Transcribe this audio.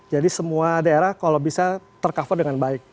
jadi semua daerah kalau bisa tercover dengan baik begitu